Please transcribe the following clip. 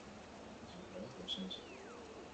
Helbide bakoitzak bi zati ditu.